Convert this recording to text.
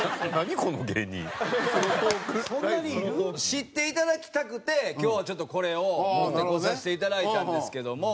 知っていただきたくて今日はちょっとこれを持ってこさせていただいたんですけども。